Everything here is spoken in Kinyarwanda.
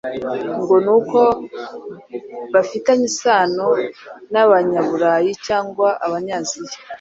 ngo ni uko bafitanye isano n'Abanyaburayi cyangwa Abanyaziya